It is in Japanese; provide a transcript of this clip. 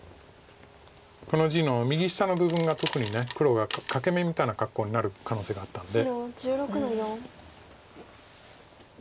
この地の右下の部分が特に黒が欠け眼みたいな格好になる可能性があったんで。